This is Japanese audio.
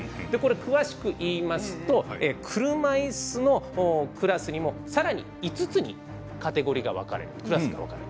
詳しく言いますと車いすのクラスにもさらに５つにカテゴリークラスが分かれる。